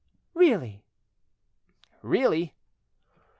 "Really?" "Really."